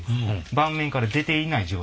盤面から出ていない状態です。